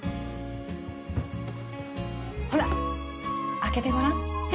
ほら開けてごらんえ！